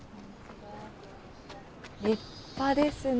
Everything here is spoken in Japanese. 立派ですね。